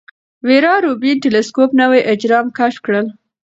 ویرا روبین ټیلسکوپ نوي اجرام کشف کړل.